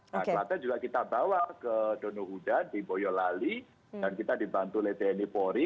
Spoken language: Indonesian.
nah klaten juga kita bawa ke donohuda di boyolali dan kita dibantu oleh tni polri